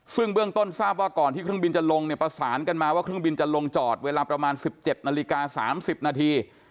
ซึ่งเบื้องต้นทราบว่าก่อนที่เครื่องบินจะลงเนี่ยประสานกันมาว่าเครื่องบินจะลงจอดเวลาประมาณ๑๗นาฬิกา๓๐นาที